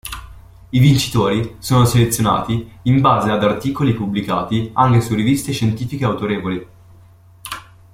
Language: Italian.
I vincitori sono selezionati in base ad articoli pubblicati anche su riviste scientifiche autorevoli.